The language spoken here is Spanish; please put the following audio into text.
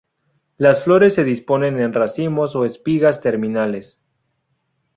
Las flores se disponen en racimos o espigas terminales.